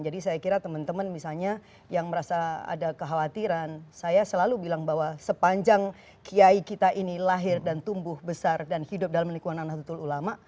jadi saya kira teman teman misalnya yang merasa ada kekhawatiran saya selalu bilang bahwa sepanjang kiai kita ini lahir dan tumbuh besar dan hidup dalam lingkungan natuatu ulama